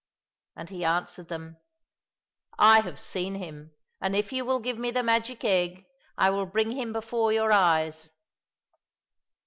— And he answered them, " I have seen him, and if you will give me the magic egg, I will bring him before your eyes."